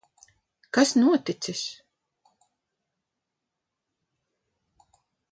Kas noticis?